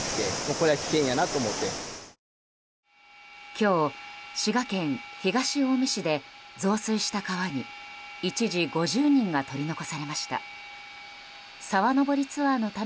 今日、滋賀県東近江市で増水した川に一時、５０人が取り残されました。